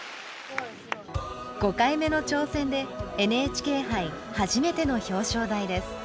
５回目の挑戦でＮＨＫ杯初めての表彰台です。